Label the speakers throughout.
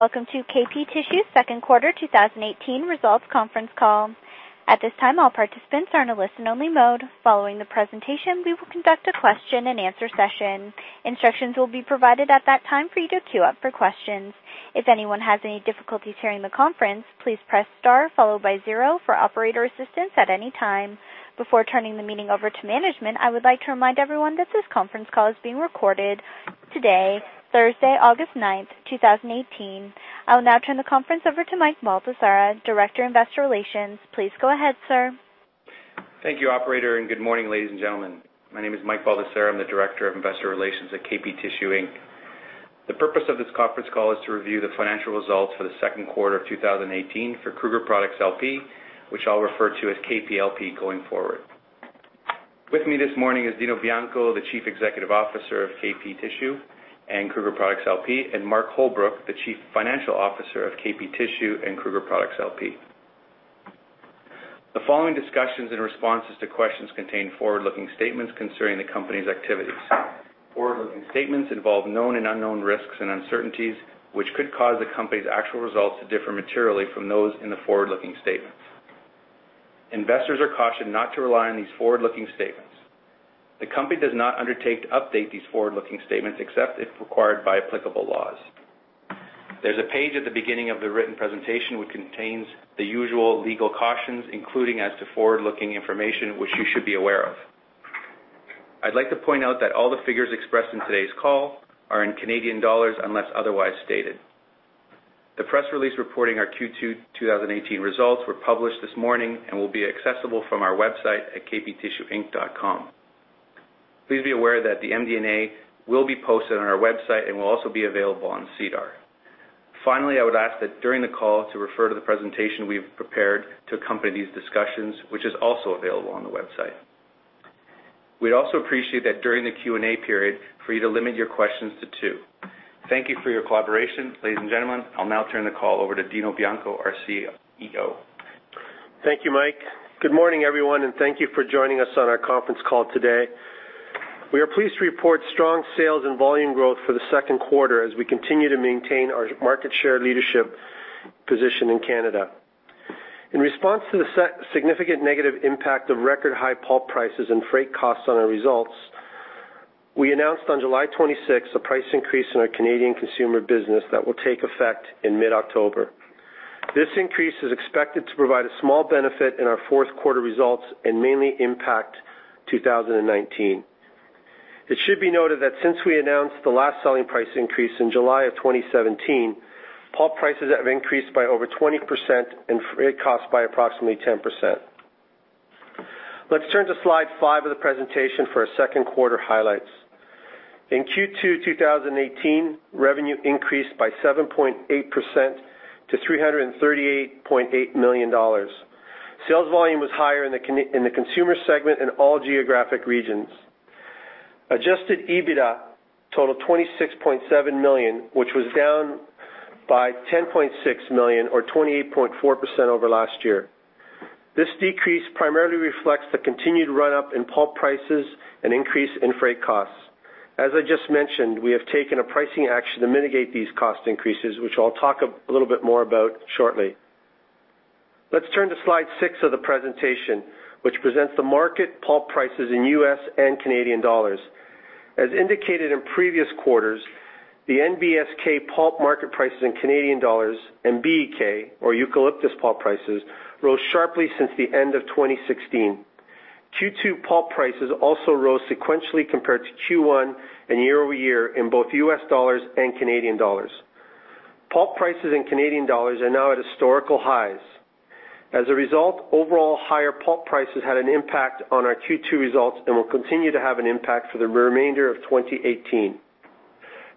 Speaker 1: Welcome to KP Tissue's Second Quarter 2018 Results Conference Call. At this time, all participants are in a listen-only mode. Following the presentation, we will conduct a question-and-answer session. Instructions will be provided at that time for you to queue up for questions. If anyone has any difficulties hearing the conference, please press star followed by zero for operator assistance at any time. Before turning the meeting over to management, I would like to remind everyone that this conference call is being recorded today, Thursday, August 9th, 2018. I will now turn the conference over to Mike Baldesarra, Director of Investor Relations. Please go ahead, sir.
Speaker 2: Thank you, operator, and good morning, ladies and gentlemen. My name is Mike Baldesarra. I'm the Director of Investor Relations at KP Tissue Inc. The purpose of this conference call is to review the financial results for the second quarter of 2018 for Kruger Products LP, which I'll refer to as KP LP going forward. With me this morning is Dino Bianco, the Chief Executive Officer of KP Tissue and Kruger Products LP, and Mark Holbrook, the Chief Financial Officer of KP Tissue and Kruger Products LP. The following discussions and responses to questions contain forward-looking statements concerning the company's activities. Forward-looking statements involve known and unknown risks and uncertainties which could cause the company's actual results to differ materially from those in the forward-looking statements. Investors are cautioned not to rely on these forward-looking statements. The company does not undertake to update these forward-looking statements except if required by applicable laws. There's a page at the beginning of the written presentation which contains the usual legal cautions, including as to forward-looking information, which you should be aware of. I'd like to point out that all the figures expressed in today's call are in Canadian dollars unless otherwise stated. The press release reporting our Q2 2018 results was published this morning and will be accessible from our website at kptissueinc.com. Please be aware that the MD&A will be posted on our website and will also be available on SEDAR. Finally, I would ask that during the call to refer to the presentation we've prepared to accompany these discussions, which is also available on the website. We'd also appreciate that during the Q&A period, for you to limit your questions to two. Thank you for your collaboration, ladies and gentlemen. I'll now turn the call over to Dino Bianco, our CEO.
Speaker 3: Thank you, Mike. Good morning, everyone, and thank you for joining us on our conference call today. We are pleased to report strong sales and volume growth for the second quarter as we continue to maintain our market share leadership position in Canada. In response to the significant negative impact of record high pulp prices and freight costs on our results, we announced on July 26 a price increase in our Canadian consumer business that will take effect in mid-October. This increase is expected to provide a small benefit in our fourth quarter results and mainly impact 2019. It should be noted that since we announced the last selling price increase in July of 2017, pulp prices have increased by over 20% and freight costs by approximately 10%. Let's turn to slide five of the presentation for our second quarter highlights. In Q2 2018, revenue increased by 7.8% to 338.8 million dollars. Sales volume was higher in the consumer segment in all geographic regions. Adjusted EBITDA totaled 26.7 million, which was down by 10.6 million, or 28.4% over last year. This decrease primarily reflects the continued run-up in pulp prices and increase in freight costs. As I just mentioned, we have taken a pricing action to mitigate these cost increases, which I'll talk a little bit more about shortly. Let's turn to slide six of the presentation, which presents the market pulp prices in U.S. and Canadian dollars. As indicated in previous quarters, the NBSK pulp market prices in Canadian dollars and BEK, or eucalyptus pulp prices, rose sharply since the end of 2016. Q2 pulp prices also rose sequentially compared to Q1 and year-over-year in both U.S. dollars and Canadian dollars. Pulp prices in Canadian dollars are now at historical highs. As a result, overall higher pulp prices had an impact on our Q2 results and will continue to have an impact for the remainder of 2018.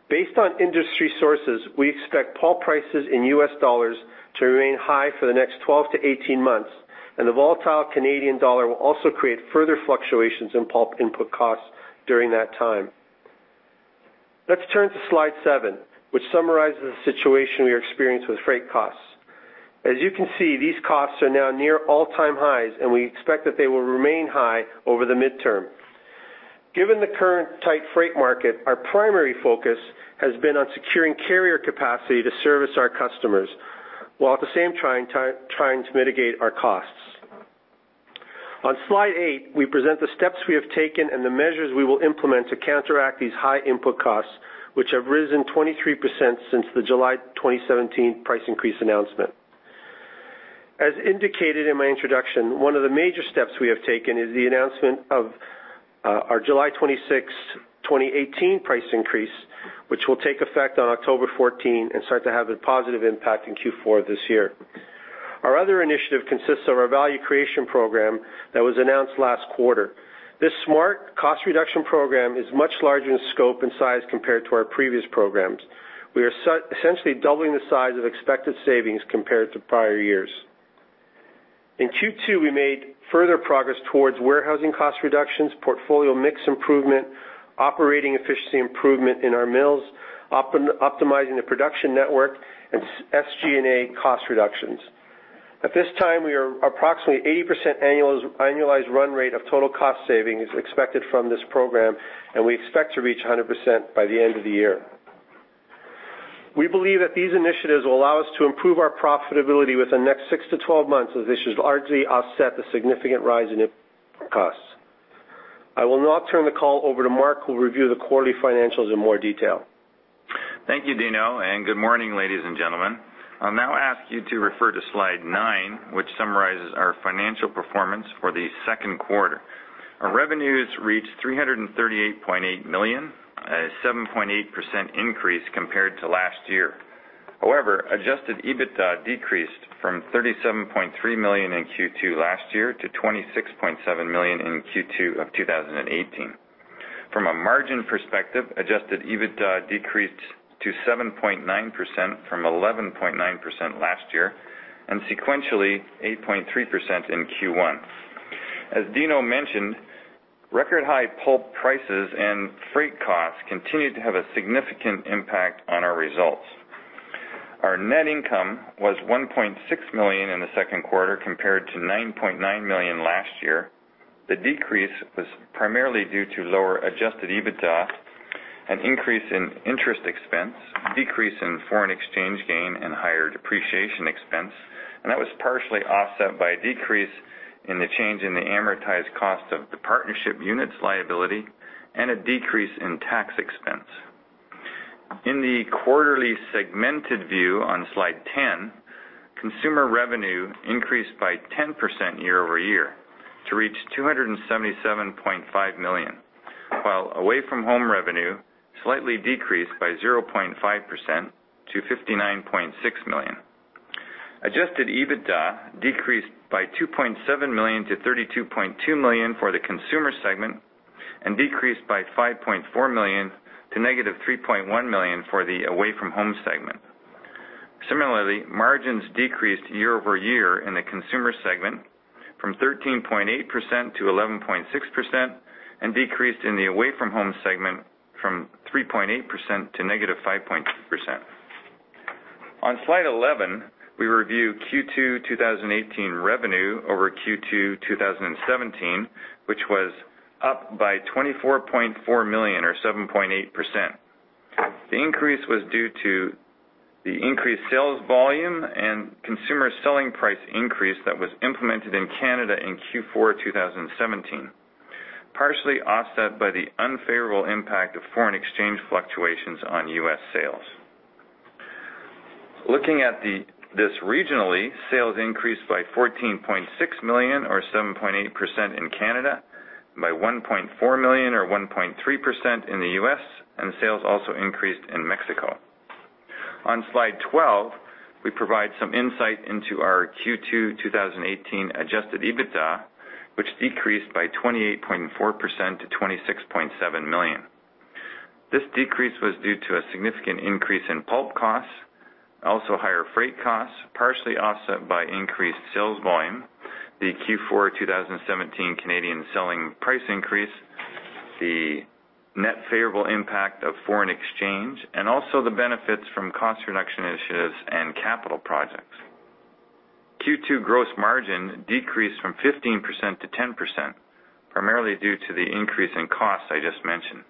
Speaker 3: Based on industry sources, we expect pulp prices in US dollars to remain high for the next 12-18 months, and the volatile Canadian dollar will also create further fluctuations in pulp input costs during that time. Let's turn to slide seven, which summarizes the situation we experience with freight costs. As you can see, these costs are now near all-time highs, and we expect that they will remain high over the midterm. Given the current tight freight market, our primary focus has been on securing carrier capacity to service our customers while at the same time trying to mitigate our costs. On slide eight, we present the steps we have taken and the measures we will implement to counteract these high input costs, which have risen 23% since the July 2017 price increase announcement. As indicated in my introduction, one of the major steps we have taken is the announcement of our July 26, 2018, price increase, which will take effect on October 14 and start to have a positive impact in Q4 of this year. Our other initiative consists of our value creation program that was announced last quarter. This smart cost reduction program is much larger in scope and size compared to our previous programs. We are essentially doubling the size of expected savings compared to prior years. In Q2, we made further progress towards warehousing cost reductions, portfolio mix improvement, operating efficiency improvement in our mills, optimizing the production network, and SG&A cost reductions. At this time, we are approximately 80% annualized run rate of total cost savings expected from this program, and we expect to reach 100% by the end of the year. We believe that these initiatives will allow us to improve our profitability within the next 6-12 months, as this should largely offset the significant rise in costs. I will now turn the call over to Mark, who will review the quarterly financials in more detail.
Speaker 4: Thank you, Dino, and good morning, ladies and gentlemen. I'll now ask you to refer to slide nine, which summarizes our financial performance for the second quarter. Our revenues reached 338.8 million, a 7.8% increase compared to last year. However, Adjusted EBITDA decreased from 37.3 million in Q2 last year to 26.7 million in Q2 of 2018. From a margin perspective, Adjusted EBITDA decreased to 7.9% from 11.9% last year and sequentially 8.3% in Q1. As Dino mentioned, record high pulp prices and freight costs continue to have a significant impact on our results. Our net income was 1.6 million in the second quarter compared to 9.9 million last year. The decrease was primarily due to lower Adjusted EBITDA, an increase in interest expense, a decrease in foreign exchange gain, and higher depreciation expense, and that was partially offset by a decrease in the change in the amortized cost of the partnership units liability and a decrease in tax expense. In the quarterly segmented view on slide 10, consumer revenue increased by 10% year-over-year to reach 277.5 million, while away-from-home revenue slightly decreased by 0.5% to 59.6 million. Adjusted EBITDA decreased by 2.7 million to 32.2 million for the consumer segment and decreased by 5.4 million to -3.1 million for the away-from-home segment. Similarly, margins decreased year-over-year in the consumer segment from 13.8% to 11.6% and decreased in the away-from-home segment from 3.8% to -5.2%. On slide 11, we review Q2 2018 revenue over Q2 2017, which was up by 24.4 million, or 7.8%. The increase was due to the increased sales volume and consumer selling price increase that was implemented in Canada in Q4 2017, partially offset by the unfavorable impact of foreign exchange fluctuations on U.S. sales. Looking at this regionally, sales increased by 14.6 million, or 7.8% in Canada, by 1.4 million, or 1.3% in the U.S., and sales also increased in Mexico. On slide 12, we provide some insight into our Q2 2018 Adjusted EBITDA, which decreased by 28.4% to 26.7 million. This decrease was due to a significant increase in pulp costs, also higher freight costs, partially offset by increased sales volume, the Q4 2017 Canadian selling price increase, the net favorable impact of foreign exchange, and also the benefits from cost reduction initiatives and capital projects. Q2 gross margin decreased from 15%-10%, primarily due to the increase in costs I just mentioned.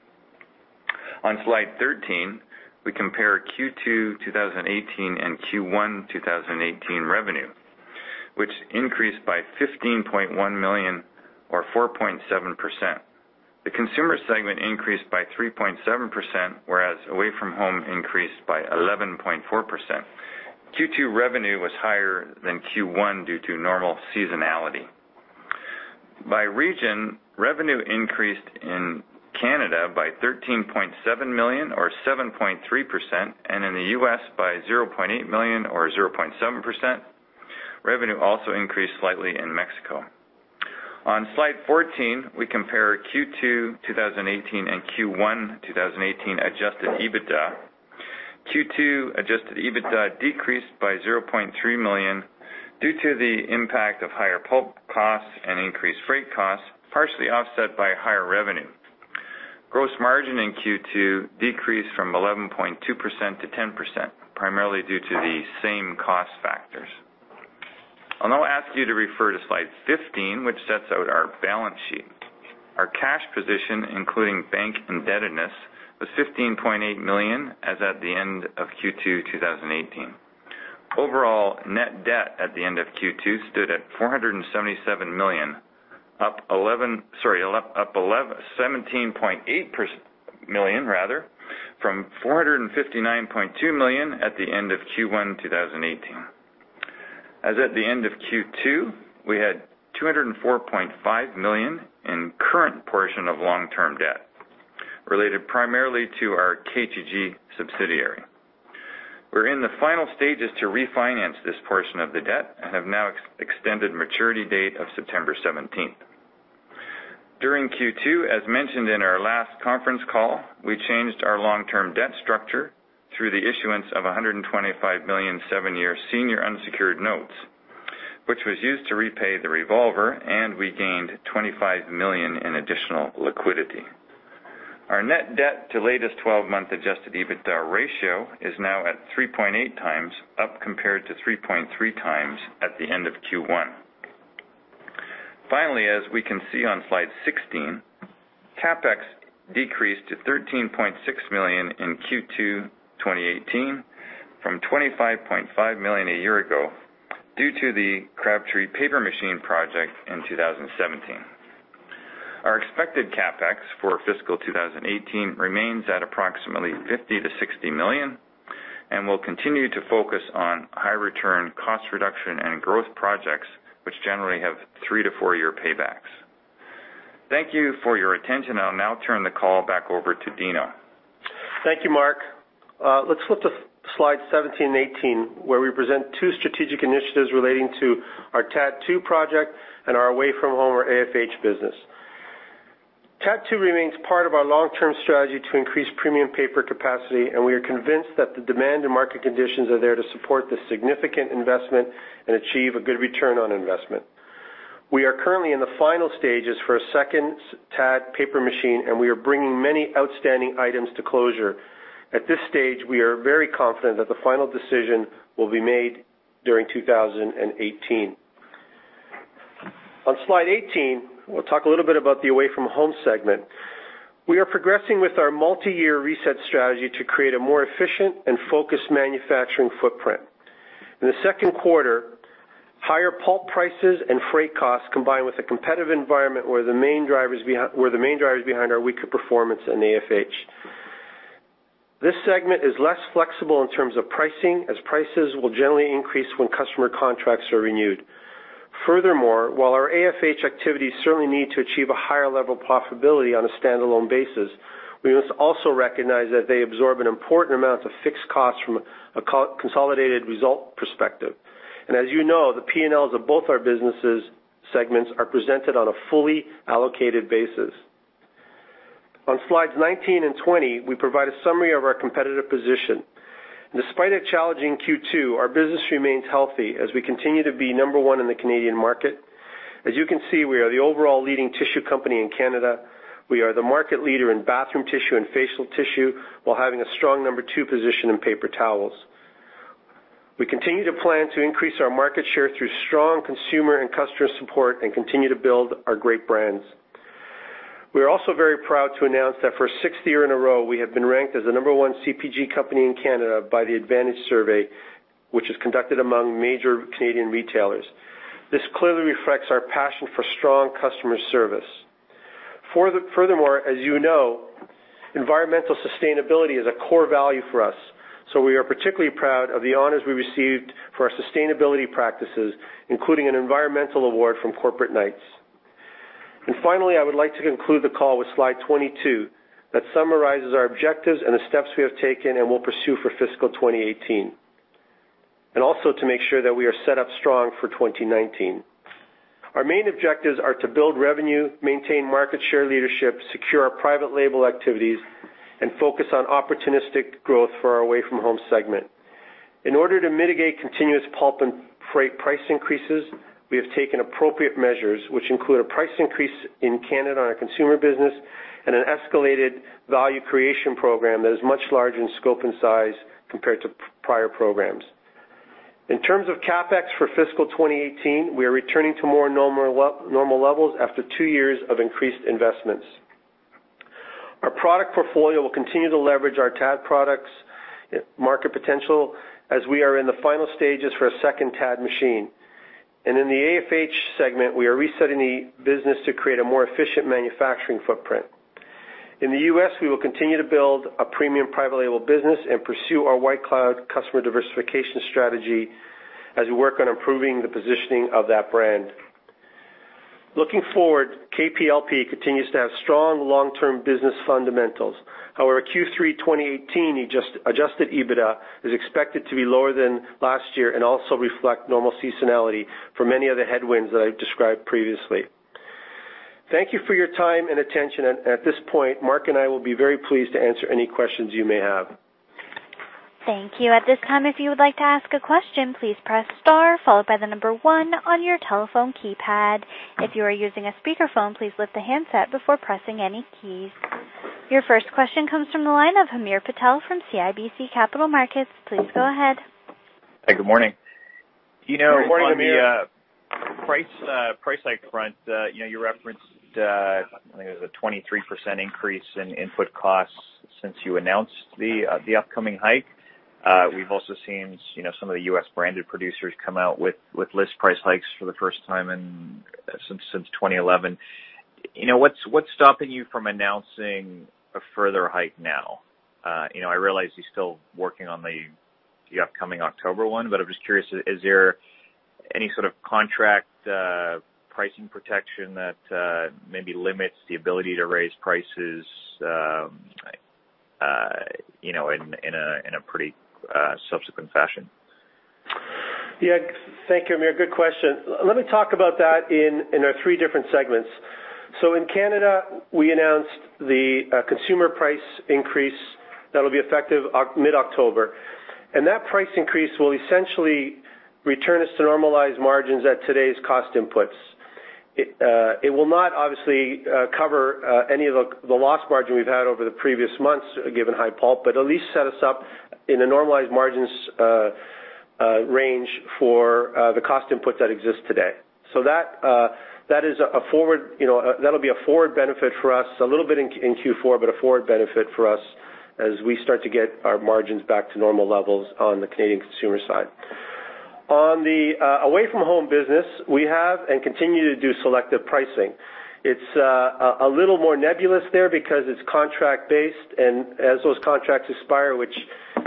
Speaker 4: On slide 13, we compare Q2 2018 and Q1 2018 revenue, which increased by 15.1 million, or 4.7%. The consumer segment increased by 3.7%, whereas away-from-home increased by 11.4%. Q2 revenue was higher than Q1 due to normal seasonality. By region, revenue increased in Canada by 13.7 million, or 7.3%, and in the U.S. by 0.8 million, or 0.7%. Revenue also increased slightly in Mexico. On slide 14, we compare Q2 2018 and Q1 2018 Adjusted EBITDA. Q2 Adjusted EBITDA decreased by 0.3 million due to the impact of higher pulp costs and increased freight costs, partially offset by higher revenue. Gross margin in Q2 decreased from 11.2% to 10%, primarily due to the same cost factors. I'll now ask you to refer to slide 15, which sets out our balance sheet. Our cash position, including bank indebtedness, was 15.8 million as at the end of Q2 2018. Overall net debt at the end of Q2 stood at 477 million, up 17.8 million, rather, from 459.2 million at the end of Q1 2018. As at the end of Q2, we had 204.5 million in current portion of long-term debt, related primarily to our KTG subsidiary. We're in the final stages to refinance this portion of the debt and have now extended maturity date of September 17th. During Q2, as mentioned in our last conference call, we changed our long-term debt structure through the issuance of 125 million seven-year senior unsecured notes, which was used to repay the revolver, and we gained 25 million in additional liquidity. Our net debt to latest 12-month Adjusted EBITDA ratio is now at 3.8x, up compared to 3.3x at the end of Q1. Finally, as we can see on slide 16, CapEx decreased to 13.6 million in Q2 2018 from 25.5 million a year ago due to the Crabtree Paper Machine project in 2017. Our expected CapEx for fiscal 2018 remains at approximately 50-60 million and will continue to focus on high-return cost reduction and growth projects, which generally have three- to four-year paybacks. Thank you for your attention. I'll now turn the call back over to Dino.
Speaker 3: Thank you, Mark. Let's flip to slides 17 and 18, where we present two strategic initiatives relating to our TAD2 project and our away-from-home, or AFH, business. TAD2 remains part of our long-term strategy to increase premium paper capacity, and we are convinced that the demand and market conditions are there to support this significant investment and achieve a good return on investment. We are currently in the final stages for a second TAD paper machine, and we are bringing many outstanding items to closure. At this stage, we are very confident that the final decision will be made during 2018. On slide 18, we'll talk a little bit about the away-from-home segment. We are progressing with our multi-year reset strategy to create a more efficient and focused manufacturing footprint. In the second quarter, higher pulp prices and freight costs combined with a competitive environment where the main drivers behind are weaker performance and AFH. This segment is less flexible in terms of pricing, as prices will generally increase when customer contracts are renewed. Furthermore, while our AFH activities certainly need to achieve a higher level of profitability on a standalone basis, we must also recognize that they absorb an important amount of fixed costs from a consolidated result perspective. And as you know, the P&Ls of both our business segments are presented on a fully allocated basis. On slides 19 and 20, we provide a summary of our competitive position. Despite a challenging Q2, our business remains healthy as we continue to be number one in the Canadian market. As you can see, we are the overall leading tissue company in Canada. We are the market leader in bathroom tissue and facial tissue, while having a strong number 2 position in paper towels. We continue to plan to increase our market share through strong consumer and customer support and continue to build our great brands. We are also very proud to announce that for a sixth year in a row, we have been ranked as the number one CPG company in Canada by the Advantage survey, which is conducted among major Canadian retailers. This clearly reflects our passion for strong customer service. Furthermore, as you know, environmental sustainability is a core value for us, so we are particularly proud of the honors we received for our sustainability practices, including an environmental award from Corporate Knights. Finally, I would like to conclude the call with slide 22 that summarizes our objectives and the steps we have taken and will pursue for fiscal 2018, and also to make sure that we are set up strong for 2019. Our main objectives are to build revenue, maintain market share leadership, secure our private label activities, and focus on opportunistic growth for our away-from-home segment. In order to mitigate continuous pulp and freight price increases, we have taken appropriate measures, which include a price increase in Canada on our consumer business and an escalated value creation program that is much larger in scope and size compared to prior programs. In terms of CapEx for fiscal 2018, we are returning to more normal levels after two years of increased investments. Our product portfolio will continue to leverage our TAD products' market potential as we are in the final stages for a second TAD machine. In the AFH segment, we are resetting the business to create a more efficient manufacturing footprint. In the U.S., we will continue to build a premium private label business and pursue our White Cloud customer diversification strategy as we work on improving the positioning of that brand. Looking forward, KP LP continues to have strong long-term business fundamentals. However, Q3 2018 Adjusted EBITDA is expected to be lower than last year and also reflect normal seasonality for many of the headwinds that I've described previously. Thank you for your time and attention. At this point, Mark and I will be very pleased to answer any questions you may have.
Speaker 1: Thank you. At this time, if you would like to ask a question, please press star followed by the number one on your telephone keypad. If you are using a speakerphone, please lift the handset before pressing any keys. Your first question comes from the line of Hamir Patel from CIBC Capital Markets. Please go ahead.
Speaker 5: Hey, good morning.
Speaker 3: Good morning, Hamir.
Speaker 5: You know, on the price hike front, you referenced, I think it was a 23% increase in input costs since you announced the upcoming hike. We've also seen some of the US branded producers come out with list price hikes for the first time since 2011. What's stopping you from announcing a further hike now? I realize you're still working on the upcoming October one, but I'm just curious, is there any sort of contract pricing protection that maybe limits the ability to raise prices in a pretty subsequent fashion?
Speaker 3: Yeah, thank you, Hamir. Good question. Let me talk about that in our three different segments. So in Canada, we announced the consumer price increase that will be effective mid-October. And that price increase will essentially return us to normalized margins at today's cost inputs. It will not obviously cover any of the loss margin we've had over the previous months given high pulp, but at least set us up in a normalized margins range for the cost input that exists today. So that is a forward that'll be a forward benefit for us, a little bit in Q4, but a forward benefit for us as we start to get our margins back to normal levels on the Canadian consumer side. On the away-from-home business, we have and continue to do selective pricing. It's a little more nebulous there because it's contract-based, and as those contracts expire, which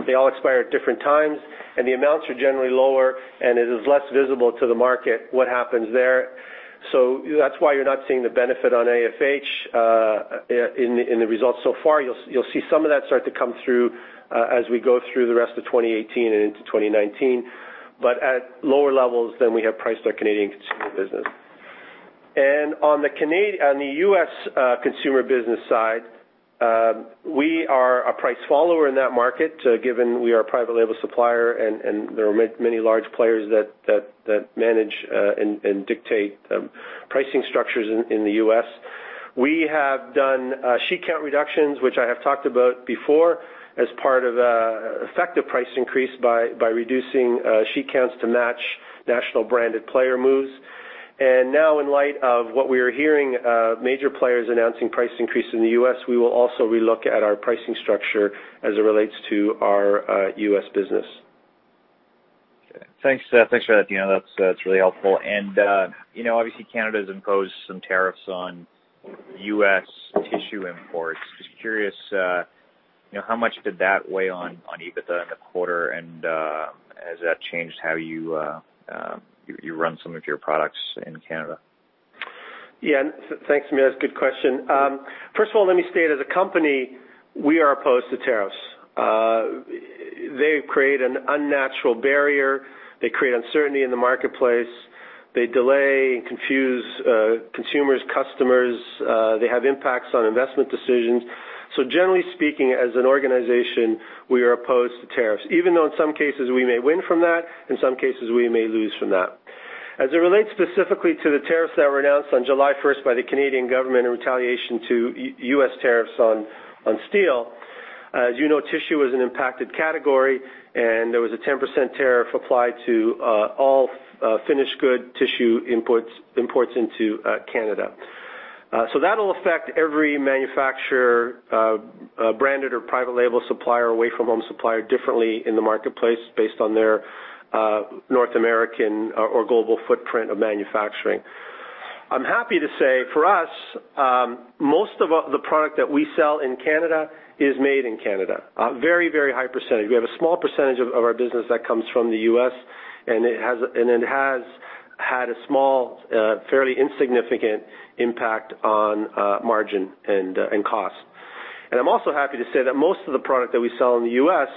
Speaker 3: they all expire at different times, and the amounts are generally lower, and it is less visible to the market what happens there. So that's why you're not seeing the benefit on AFH in the results so far. You'll see some of that start to come through as we go through the rest of 2018 and into 2019, but at lower levels than we have priced our Canadian consumer business. On the U.S. consumer business side, we are a price follower in that market given we are a private label supplier, and there are many large players that manage and dictate pricing structures in the U.S. We have done sheet count reductions, which I have talked about before, as part of effective price increase by reducing sheet counts to match national branded player moves. Now, in light of what we are hearing, major players announcing price increase in the U.S., we will also relook at our pricing structure as it relates to our U.S. business.
Speaker 5: Thanks for that, Dino. That's really helpful. Obviously, Canada has imposed some tariffs on U.S. tissue imports. Just curious, how much did that weigh on EBITDA in the quarter, and has that changed how you run some of your products in Canada?
Speaker 3: Yeah, thanks, Hamir. That's a good question. First of all, let me state as a company, we are opposed to tariffs. They create an unnatural barrier. They create uncertainty in the marketplace. They delay and confuse consumers, customers. They have impacts on investment decisions. So generally speaking, as an organization, we are opposed to tariffs, even though in some cases we may win from that, in some cases we may lose from that. As it relates specifically to the tariffs that were announced on July 1st by the Canadian government in retaliation to U.S. tariffs on steel, as you know, tissue was an impacted category, and there was a 10% tariff applied to all finished good tissue imports into Canada. So that'll affect every manufacturer, branded or private label supplier, away-from-home supplier differently in the marketplace based on their North American or global footprint of manufacturing. I'm happy to say for us, most of the product that we sell in Canada is made in Canada. Very, very high percentage. We have a small percentage of our business that comes from the U.S., and it has had a small, fairly insignificant impact on margin and cost. And I'm also happy to say that most of the product that we sell in the U.S.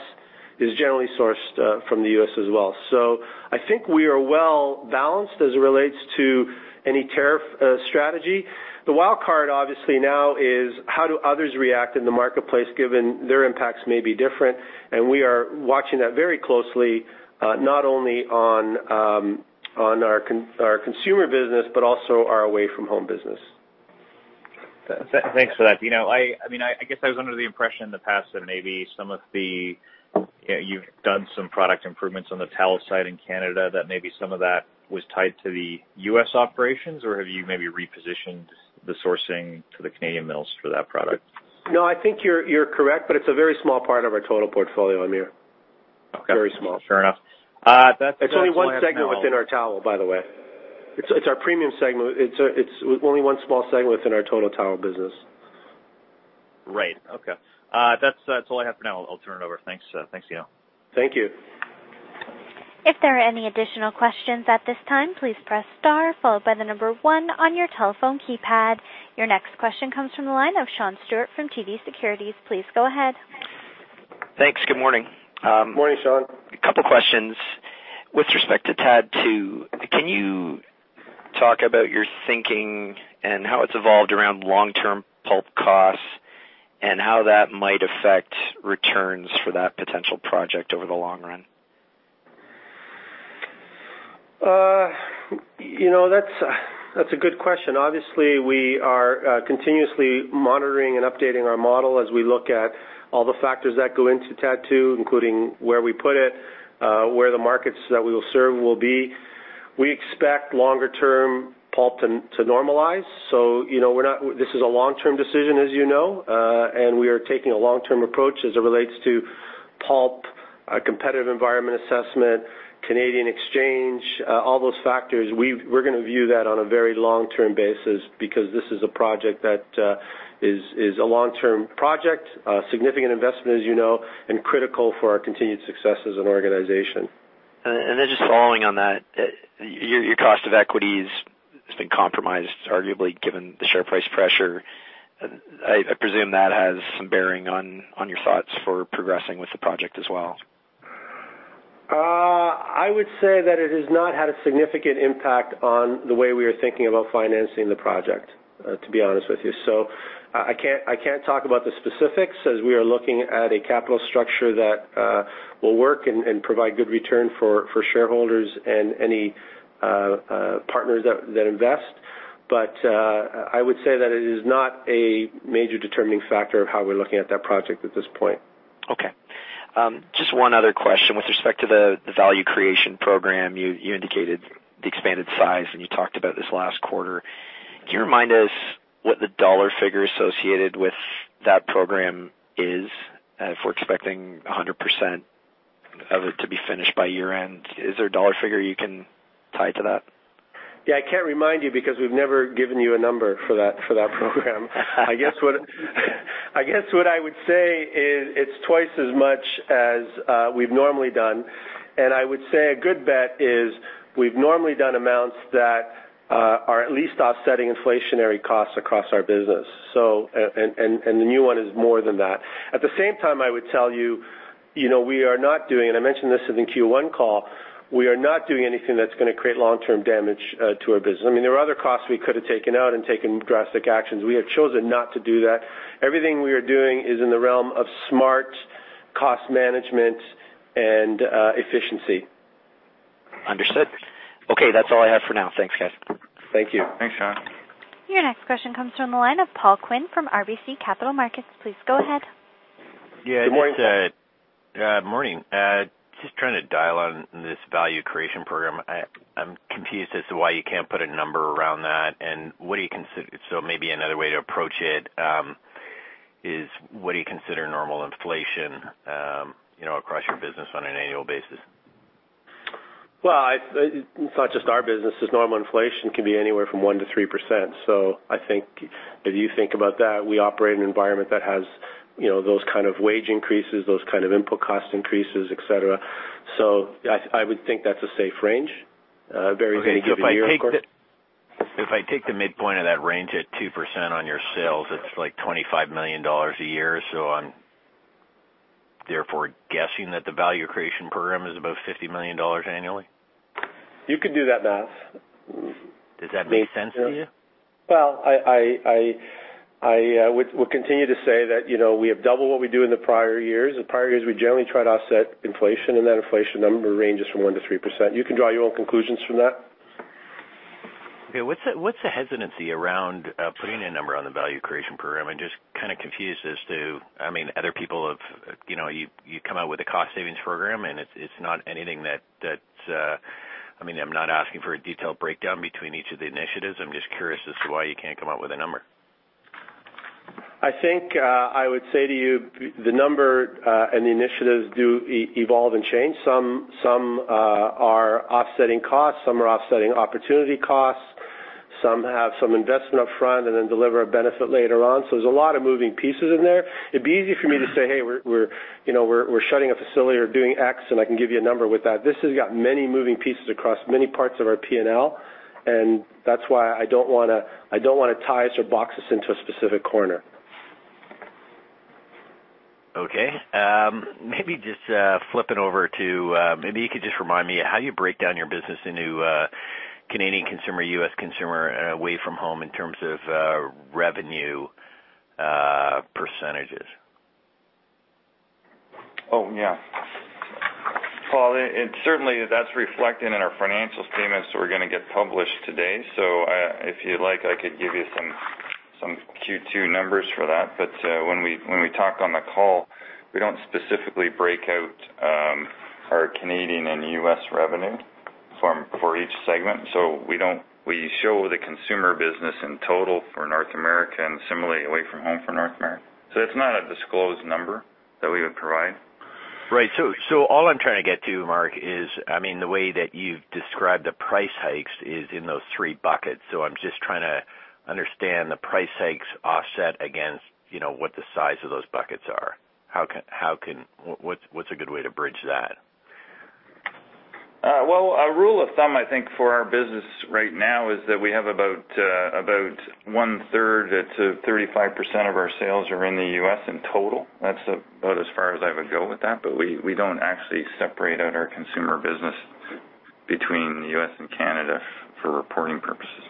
Speaker 3: is generally sourced from the U.S. as well. So I think we are well balanced as it relates to any tariff strategy. The wild card obviously now is how do others react in the marketplace given their impacts may be different? And we are watching that very closely, not only on our consumer business, but also our Away-From-Home business.
Speaker 5: Thanks for that, Dino. I mean, I guess I was under the impression in the past that maybe some of the you've done some product improvements on the towel side in Canada that maybe some of that was tied to the US operations, or have you maybe repositioned the sourcing to the Canadian mills for that product?
Speaker 3: No, I think you're correct, but it's a very small part of our total portfolio, Hamir. Very small.
Speaker 5: Okay, sure enough. That's a very small segment.
Speaker 3: It's only one segment within our towel, by the way. It's our premium segment. It's only one small segment within our total towel business.
Speaker 5: Right. Okay. That's all I have for now. I'll turn it over. Thanks, Dino.
Speaker 3: Thank you.
Speaker 1: If there are any additional questions at this time, please press star followed by the number one on your telephone keypad. Your next question comes from the line of Sean Steuart from TD Securities. Please go ahead.
Speaker 6: Thanks. Good morning.
Speaker 3: Good morning, Sean.
Speaker 6: A couple of questions with respect to TAD2. Can you talk about your thinking and how it's evolved around long-term pulp costs and how that might affect returns for that potential project over the long run?
Speaker 3: That's a good question. Obviously, we are continuously monitoring and updating our model as we look at all the factors that go into TAD2, including where we put it, where the markets that we will serve will be. We expect longer-term pulp to normalize. So this is a long-term decision, as you know, and we are taking a long-term approach as it relates to pulp, a competitive environment assessment, Canadian exchange, all those factors. We're going to view that on a very long-term basis because this is a project that is a long-term project, a significant investment, as you know, and critical for our continued success as an organization.
Speaker 6: And then just following on that, your cost of equities has been compromised, arguably, given the share price pressure. I presume that has some bearing on your thoughts for progressing with the project as well.
Speaker 3: I would say that it has not had a significant impact on the way we are thinking about financing the project, to be honest with you. So I can't talk about the specifics as we are looking at a capital structure that will work and provide good return for shareholders and any partners that invest. But I would say that it is not a major determining factor of how we're looking at that project at this point.
Speaker 6: Okay. Just one other question with respect to the value creation program. You indicated the expanded size, and you talked about this last quarter. Can you remind us what the dollar figure associated with that program is? If we're expecting 100% of it to be finished by year-end, is there a dollar figure you can tie to that?
Speaker 3: Yeah, I can't remind you because we've never given you a number for that program. I guess what I would say is it's twice as much as we've normally done. And I would say a good bet is we've normally done amounts that are at least offsetting inflationary costs across our business. And the new one is more than that. At the same time, I would tell you we are not doing, and I mentioned this in the Q1 call, we are not doing anything that's going to create long-term damage to our business. I mean, there are other costs we could have taken out and taken drastic actions. We have chosen not to do that. Everything we are doing is in the realm of smart cost management and efficiency.
Speaker 6: Understood. Okay, that's all I have for now. Thanks, guys.
Speaker 3: Thank you.
Speaker 4: Thanks, Sean.
Speaker 1: Your next question comes from the line of Paul Quinn from RBC Capital Markets. Please go ahead.
Speaker 3: Yeah, good morning.
Speaker 7: Good morning. Just trying to dial on this value creation program. I'm confused as to why you can't put a number around that. And what do you consider? So maybe another way to approach it is, what do you consider normal inflation across your business on an annual basis?
Speaker 3: Well, it's not just our business. Normal inflation can be anywhere from 1%-3%. So I think if you think about that, we operate in an environment that has those kind of wage increases, those kind of input cost increases, etc. So I would think that's a safe range.
Speaker 7: Okay, so if I take the midpoint of that range at 2% on your sales, it's like 25 million dollars a year. So I'm therefore guessing that the value creation program is about 50 million dollars annually?
Speaker 3: You could do that math.
Speaker 7: Does that make sense to you?
Speaker 3: Well, I would continue to say that we have doubled what we do in the prior years. In prior years, we generally try to offset inflation, and that inflation number ranges from 1%-3%. You can draw your own conclusions from that.
Speaker 7: Okay. What's the hesitancy around putting a number on the value creation program? I'm just kind of confused as to, I mean, other people have you come out with a cost savings program, and it's not anything that's I mean, I'm not asking for a detailed breakdown between each of the initiatives. I'm just curious as to why you can't come up with a number.
Speaker 3: I think I would say to you, the number and the initiatives do evolve and change. Some are offsetting costs. Some are offsetting opportunity costs. Some have some investment upfront and then deliver a benefit later on. So there's a lot of moving pieces in there. It'd be easy for me to say, "Hey, we're shutting a facility or doing X, and I can give you a number with that." This has got many moving pieces across many parts of our P&L, and that's why I don't want to tie us or box us into a specific corner.
Speaker 7: Okay. Maybe just flipping over to maybe you could just remind me how you break down your business into Canadian consumer, U.S. consumer, away-from-home in terms of revenue percentages?
Speaker 4: Oh, yeah. Well, and certainly that's reflected in our financial statements we're going to get published today. So if you'd like, I could give you some Q2 numbers for that. But when we talk on the call, we don't specifically break out our Canadian and U.S. revenue for each segment. So we show the consumer business in total for North America and similarly away-from-home for North America. So it's not a disclosed number that we would provide.
Speaker 7: Right. So all I'm trying to get to, Mark, is, I mean, the way that you've described the price hikes is in those three buckets. So I'm just trying to understand the price hikes offset against what the size of those buckets are. What's a good way to bridge that?
Speaker 4: Well, a rule of thumb, I think, for our business right now is that we have about one-third to 35% of our sales are in the US in total. That's about as far as I would go with that. We don't actually separate out our consumer business between the US and Canada for reporting purposes.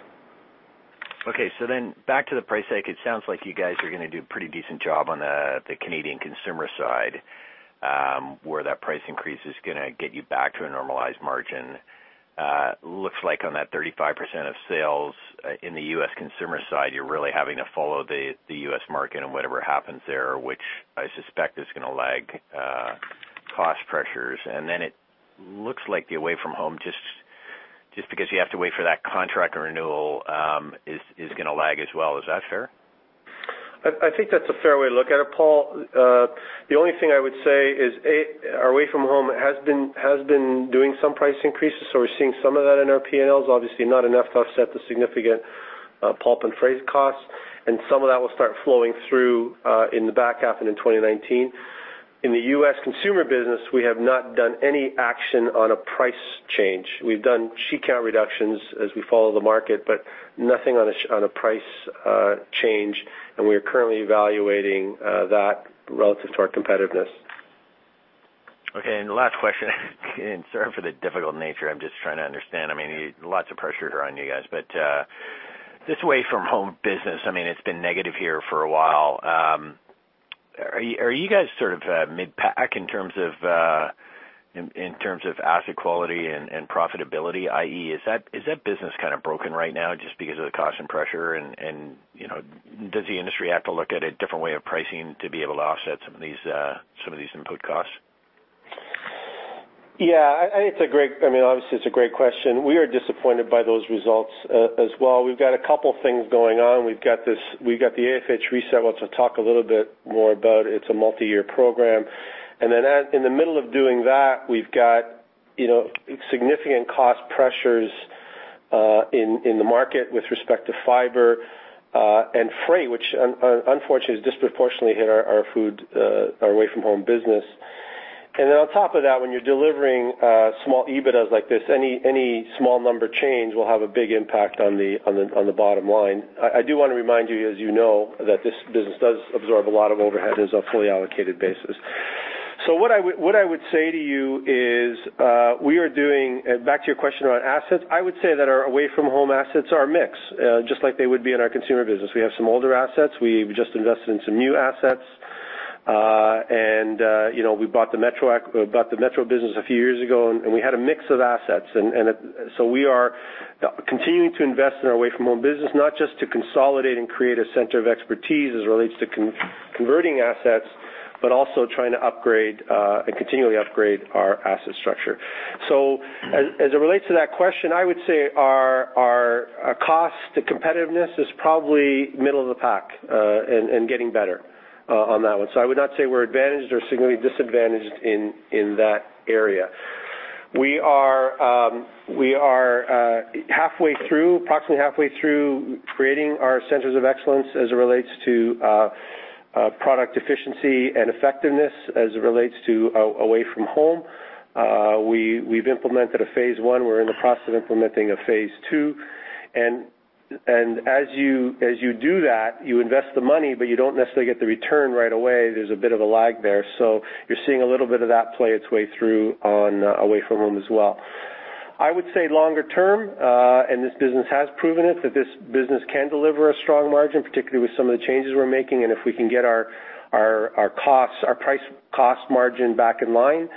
Speaker 7: Okay. So then back to the price hike, it sounds like you guys are going to do a pretty decent job on the Canadian consumer side where that price increase is going to get you back to a normalized margin. Looks like on that 35% of sales in the U.S. consumer side, you're really having to follow the U.S. market and whatever happens there, which I suspect is going to lag cost pressures. And then it looks like the away-from-home, just because you have to wait for that contract renewal, is going to lag as well. Is that fair?
Speaker 3: I think that's a fair way to look at it, Paul. The only thing I would say is our away-from-home has been doing some price increases. So we're seeing some of that in our P&Ls. Obviously, not enough to offset the significant pulp and freight costs. And some of that will start flowing through in the back half and in 2019. In the U.S. consumer business, we have not done any action on a price change. We've done sheet count reductions as we follow the market, but nothing on a price change. And we are currently evaluating that relative to our competitiveness.
Speaker 7: Okay. The last question, sorry for the difficult nature. I'm just trying to understand. I mean, lots of pressure on you guys. But this Away-From-Home business, I mean, it's been negative here for a while. Are you guys sort of mid-pack in terms of asset quality and profitability, i.e., is that business kind of broken right now just because of the cost and pressure? And does the industry have to look at a different way of pricing to be able to offset some of these input costs?
Speaker 3: Yeah. I mean, obviously, it's a great question. We are disappointed by those results as well. We've got a couple of things going on. We've got the AFH reset, which I'll talk a little bit more about. It's a multi-year program. And then in the middle of doing that, we've got significant cost pressures in the market with respect to fiber and freight, which unfortunately has disproportionately hit our away-from-home business. And then on top of that, when you're delivering small EBITDAs like this, any small number change will have a big impact on the bottom line. I do want to remind you, as you know, that this business does absorb a lot of overhead as a fully allocated basis. So what I would say to you is we are doing back to your question around assets. I would say that our Away-From-Home assets are a mix, just like they would be in our consumer business. We have some older assets. We've just invested in some new assets. And we bought the Metro business a few years ago, and we had a mix of assets. And so we are continuing to invest in our Away-From-Home business, not just to consolidate and create a center of expertise as it relates to converting assets, but also trying to upgrade and continually upgrade our asset structure. So as it relates to that question, I would say our cost competitiveness is probably middle of the pack and getting better on that one. So I would not say we're advantaged or significantly disadvantaged in that area. We are approximately halfway through creating our centers of excellence as it relates to product efficiency and effectiveness as it relates to Away-From-Home. We've implemented a phase one. We're in the process of implementing a phase two. And as you do that, you invest the money, but you don't necessarily get the return right away. There's a bit of a lag there. So you're seeing a little bit of that play its way through on away-from-home as well. I would say longer term, and this business has proven it, that this business can deliver a strong margin, particularly with some of the changes we're making. And if we can get our price cost margin back in line,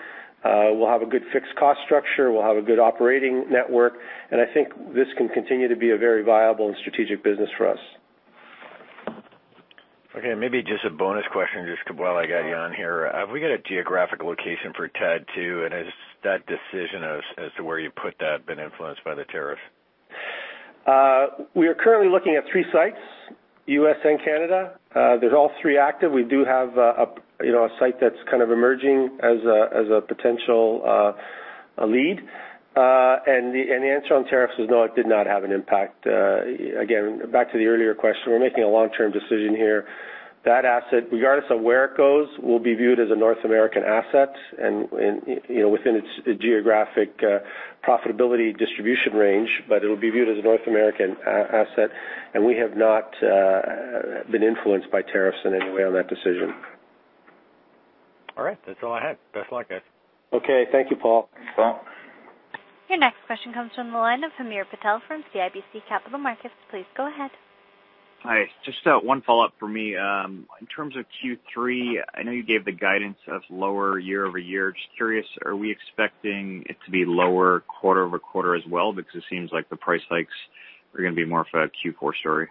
Speaker 3: we'll have a good fixed cost structure. We'll have a good operating network. And I think this can continue to be a very viable and strategic business for us.
Speaker 7: Okay. Maybe just a bonus question just while I got you on here. Have we got a geographic location for TAD2? And has that decision as to where you put that been influenced by the tariffs?
Speaker 3: We are currently looking at three sites, U.S. and Canada. They're all three active. We do have a site that's kind of emerging as a potential lead. And the answer on tariffs is no, it did not have an impact. Again, back to the earlier question, we're making a long-term decision here. That asset, regardless of where it goes, will be viewed as a North American asset within its geographic profitability distribution range, but it will be viewed as a North American asset. And we have not been influenced by tariffs in any way on that decision.
Speaker 7: All right. That's all I have. Best of luck, guys.
Speaker 3: Okay. Thank you, Paul.
Speaker 4: Thanks, Paul.
Speaker 1: Your next question comes from the line of Hamir Patel from CIBC Capital Markets. Please go ahead.
Speaker 5: Hi. Just one follow-up from me. In terms of Q3, I know you gave the guidance of lower year-over-year. Just curious, are we expecting it to be lower quarter-over-quarter as well? Because it seems like the price hikes are going to be more of a Q4 story.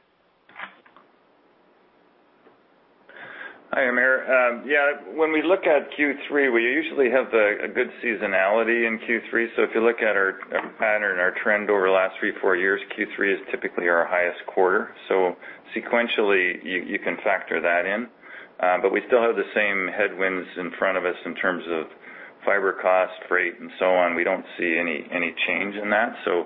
Speaker 4: Hi, Hamir. Yeah. When we look at Q3, we usually have a good seasonality in Q3. So if you look at our pattern, our trend over the last three, four years, Q3 is typically our highest quarter. So sequentially, you can factor that in. But we still have the same headwinds in front of us in terms of fiber cost, freight, and so on. We don't see any change in that. So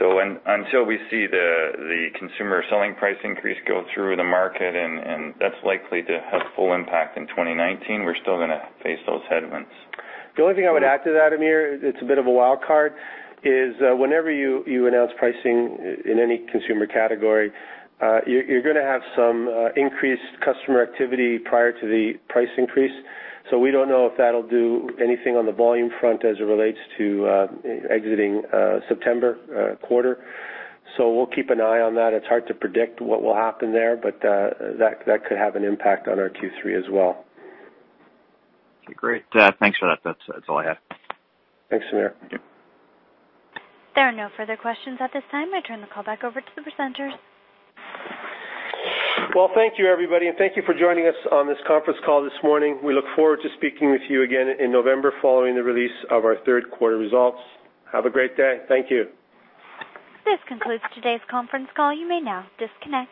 Speaker 4: until we see the consumer selling price increase go through the market, and that's likely to have full impact in 2019, we're still going to face those headwinds.
Speaker 3: The only thing I would add to that, Hamir, it's a bit of a wildcard, is whenever you announce pricing in any consumer category, you're going to have some increased customer activity prior to the price increase. So we don't know if that'll do anything on the volume front as it relates to exiting September quarter. So we'll keep an eye on that. It's hard to predict what will happen there, but that could have an impact on our Q3 as well.
Speaker 5: Okay. Great. Thanks for that. That's all I have.
Speaker 3: Thanks, Hamir.
Speaker 5: Yep.
Speaker 1: There are no further questions at this time. I turn the call back over to the presenters.
Speaker 3: Well, thank you, everybody. Thank you for joining us on this conference call this morning. We look forward to speaking with you again in November following the release of our third quarter results. Have a great day. Thank you.
Speaker 1: This concludes today's conference call. You may now disconnect.